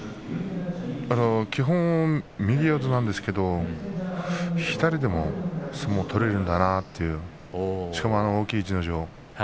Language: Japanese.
基本、右四つなんですけれども左でも相撲を取れるんだなというしかも、あの大きい逸ノ城